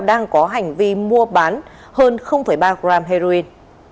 đang có hành vi mua bán hơn ba gram heroin